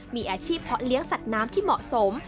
มีอาชีพเพาะเลี้ยงสัตว์น้ำที่เหมาะสม